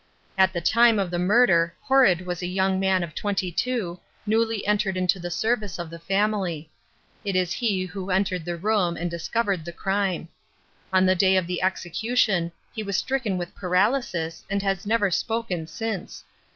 At the time of the murder Horrod was a young man of twenty two, newly entered into the service of the family. It was he who entered the room and discovered the crime. On the day of the execution he was stricken with paralysis and has never spoken since.